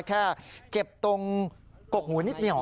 แค่เจ็บตรงกรกหัวนิดหน่อย